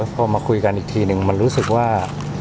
พอมาคุยกันอีกทีนึงมันรู้สึกว่า